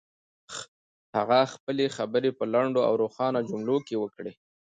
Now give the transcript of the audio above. هغه خپلې خبرې په لنډو او روښانه جملو کې وکړې.